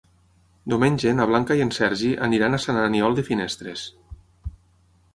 Diumenge na Blanca i en Sergi aniran a Sant Aniol de Finestres.